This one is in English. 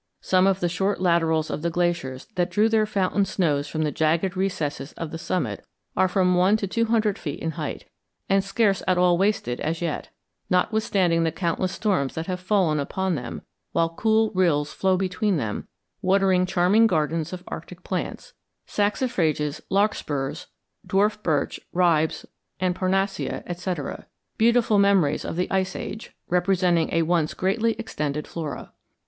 Some of the short laterals of the glaciers that drew their fountain snows from the jagged recesses of the summit are from one to two hundred feet in height, and scarce at all wasted as yet, notwithstanding the countless storms that have fallen upon them, while cool rills flow between them, watering charming gardens of arctic plants—saxifrages, larkspurs, dwarf birch, ribes, and parnassia, etc.—beautiful memories of the Ice Age, representing a once greatly extended flora.